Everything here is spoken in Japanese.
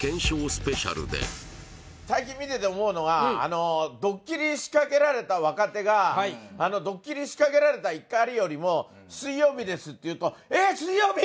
スペシャルで最近見てて思うのがドッキリ仕掛けられた若手がドッキリ仕掛けられた怒りよりも「『水曜日』です」って言うと「えっ『水曜日』？